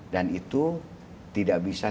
dan itu tidak bisa